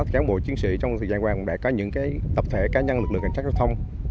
cán bộ chiến sĩ trong thời gian qua cũng đã có những tập thể cá nhân lực lượng cảnh sát giao thông